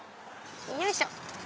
よいしょ。